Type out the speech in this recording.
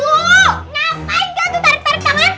kenapa aja tuh tarik tarik tanganku